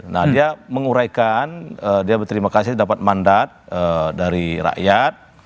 nah dia menguraikan dia berterima kasih dapat mandat dari rakyat